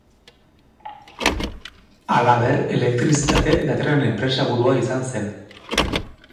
Halaber, elektrizitate eta tren enpresaburua izan zen.